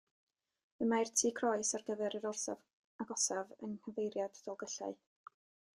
Y mae'r Tŷ Croes ar gyfer yr orsaf agosaf yng nghyfeiriad Dolgellau.